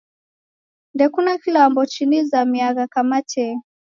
Ndekuna kilambo chinizamiagha kama tee